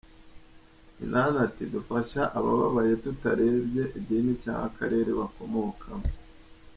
Minani ati ”dufasha abababaye tutarebye idini cyangwa akarere bakomokamo.